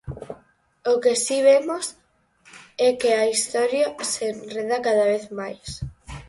O que si vemos é que a historia se enreda cada vez máis.